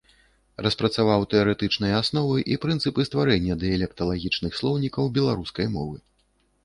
Распрацаваў тэарэтычныя асновы і прынцыпы стварэння дыялекталагічных слоўнікаў беларускай мовы.